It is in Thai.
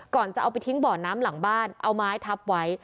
จะเอาไปทิ้งบ่อน้ำหลังบ้านเอาไม้ทับไว้